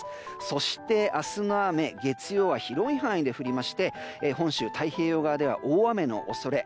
そして、明日の雨月曜は広い範囲で降りまして本州、太平洋側では大雨の恐れ。